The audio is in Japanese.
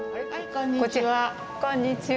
はいこんにちは。